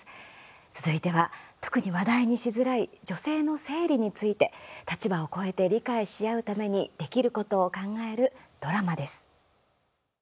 続いては、特に話題にしづらい女性の生理について立場を超えて理解し合うためにできることを考えるドラマです。